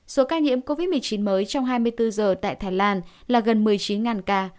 số ca nhiễm covid một mươi chín mới trong hai mươi bốn giờ tại thái lan là gần một mươi chín ca